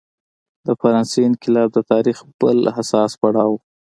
د فرانسې انقلاب د تاریخ بل هغه حساس پړاو و.